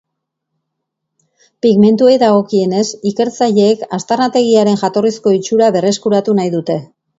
Pigmentuei dagokienez, ikertzaileek aztarnategiaren jatorrizko itxura berreskuratu nahi dute.